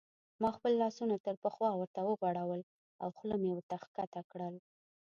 ما خپل لاسونه تر پخوا ورته وغوړول او خوله مې ورته کښته کړل.